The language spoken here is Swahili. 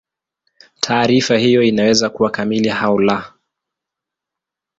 Taarifa hiyo inaweza kuwa kamili au la.